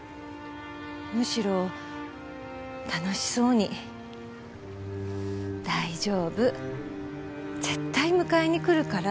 むしろ楽しそうに「大丈夫絶対迎えに来るから」